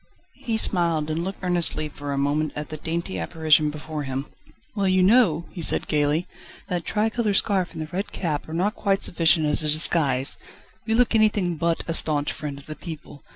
He smiled, and looked earnestly for a moment at the dainty apparition before him. "Well, you know!" he said gaily, "that tricolour scarf and the red cap are not quite sufficient as a disguise: you look anything but a staunch friend of the people.